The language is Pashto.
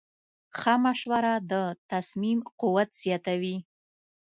ښه مشوره د تصمیم قوت زیاتوي.